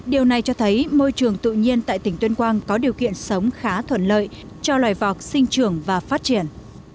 điều này cho thấy môi trường tự nhiên tại tỉnh tuyên quang có điều kiện sống khá thuận lợi cho loài vọc sinh trường và phát triển